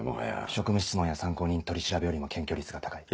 職務質問や参考人取り調べよりも検挙率が高い。